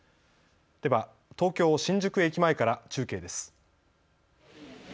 では東京新宿駅前から中継です。